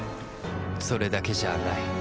それだけじゃない。